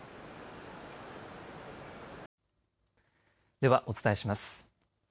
ではお伝えします。